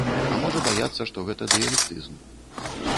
А можа баяцца, што гэта дыялектызм.